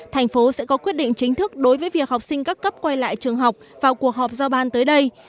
thành phố sẽ có quyết định chính thức đối với việc học sinh các cấp quay lại trường học vào cuộc họp giao ban tới đây